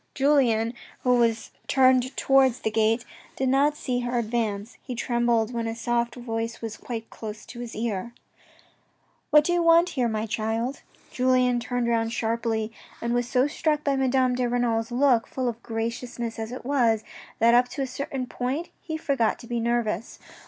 Julien, who was turned towards the gate, did not see her advance. He trembled when a soft voice said quite close to his ear :" What do you want here, my child." Julien turned round sharply and was so struck by Madame de Renal's look, full of graciousness as it was, that up to a certain point he forgot to be nervous.